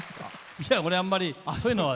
いや、俺あんまりそういうのは。